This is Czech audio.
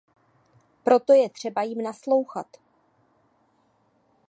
Proto je třeba jim naslouchat.